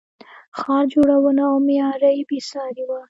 ښار جوړونه او معمارۍ بې ساري وه